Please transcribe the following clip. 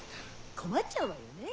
困っちゃうわよねぇ。